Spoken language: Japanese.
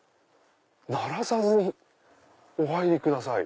「なさらずにお入りください」。